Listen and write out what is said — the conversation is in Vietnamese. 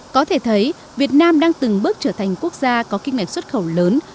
có thể thấy việt nam đang từng bước trở thành quốc gia có kinh mệnh xuất khẩu lớn